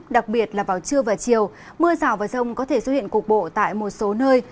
đặc biệt là vào trưa và chiều mưa rào và rông có thể xuất hiện cục bộ tại một số nơi